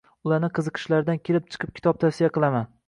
Ularni qiziqishlaridan kelib chiqib kitob tavsiya qilaman.